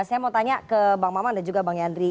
saya mau tanya ke bang maman dan juga bang yandri